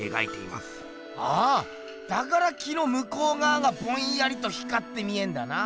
ああだから木のむこうがわがぼんやりと光って見えんだな。